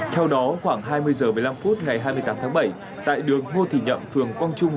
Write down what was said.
theo đó khoảng hai mươi h một mươi năm phút ngày hai mươi tám tháng bảy tại đường ngô thị nhậm phường quang trung